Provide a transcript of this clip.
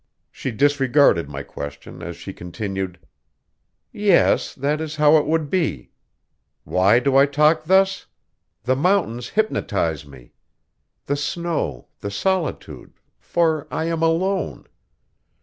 She disregarded my question as she continued: "Yes, that is how it would be. Why do I talk thus? The mountains hypnotize me. The snow, the solitude for I am alone.